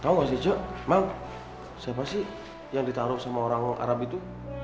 tahu gak sih cok emang siapa sih yang ditaruh sama orang arab itu